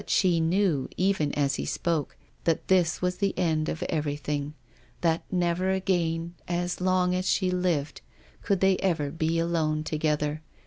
She knew, even as he spoke, that this was the end of everything ; that never again, as long as she lived, could they ever be alone together.